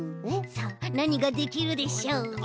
さあなにができるでしょう？